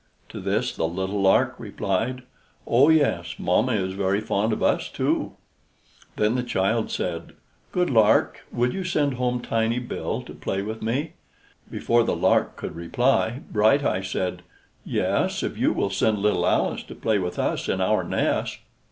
To this the little larks replied, "Oh yes, mamma is very fond of us too." Then the child said, "Good lark, will you send home Tiny Bill to play with me?" Before the lark could reply, Bright Eye said, "Yes, if you will send little Alice to play with us in our nest."